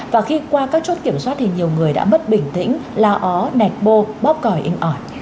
và khi qua các chốt kiểm soát thì nhiều người đã bất bình tĩnh lao ó nạch bô bóp còi in ỏi